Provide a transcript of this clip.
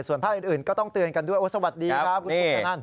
ส่วนภาคอื่นก็ต้องเตือนกันด้วยโอ้สวัสดีครับคุณคุปตนัน